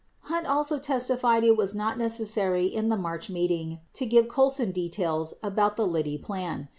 84 Hunt also testified it was not necessary in the March meeting to give Colson details about the Liddy plan.